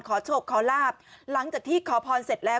ขอโชคขอลาบหลังจากที่ขอพรเสร็จแล้ว